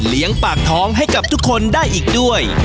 ปากท้องให้กับทุกคนได้อีกด้วย